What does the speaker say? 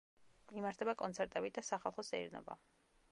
იმართება კონცერტები და სახალხო სეირნობა.